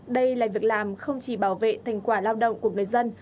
đây là việc làm không chỉ bảo vệ thành quả lao động của người dân